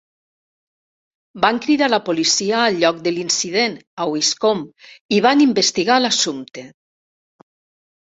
Van cridar la policia al lloc de l'incident a Winscombe i van investigar l'assumpte.